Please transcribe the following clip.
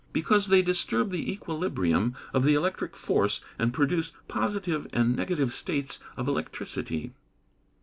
_ Because they disturb the equilibrium of the electric force, and produce positive and negative states of electricity.